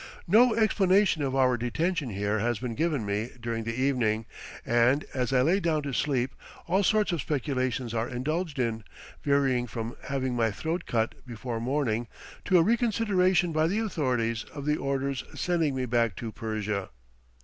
No explanation of our detention here has been given me during the evening, and as I lay down to sleep all sorts of speculations are indulged in, varying from having my throat cut before morning, to a reconsideration by the authorities of the orders sending me back to Persia.